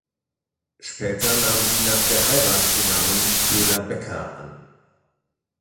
Später nahm sie nach der Heirat den Namen "Köhler-Becker" an.